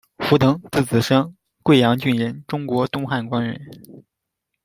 胡腾，字子升，桂阳郡人，中国东汉官员。